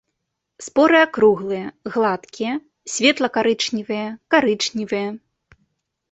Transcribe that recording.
Споры акруглыя, гладкія, светла-карычневыя, карычневыя.